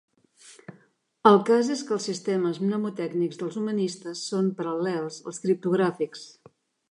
El cas és que els sistemes mnemotècnics dels humanistes són paral·lels als criptogràfics.